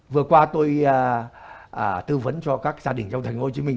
vừa qua tôi tư vấn cho các gia đình trong thành phố hồ chí minh